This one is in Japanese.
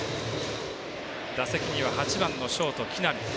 打席には８番のショート、木浪。